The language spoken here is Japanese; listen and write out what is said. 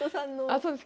あそうです。